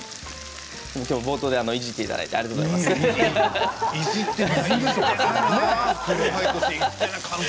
きょうは冒頭でいじっていただいてありがとうございました。